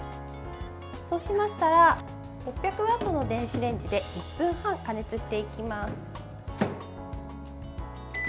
そうしましたら６００ワットの電子レンジで１分半、加熱していきます。